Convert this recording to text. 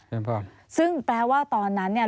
เป็นพรซึ่งแปลว่าตอนนั้นเนี่ย